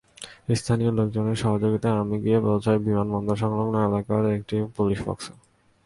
স্থানীয় লোকজনের সহযোগিতায় আমি গিয়ে পৌঁছাই বিমানবন্দর-সংলগ্ন এলাকার একটি পুলিশ বক্সে।